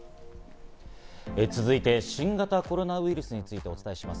続いて新型コロナウイルスについてお伝えします。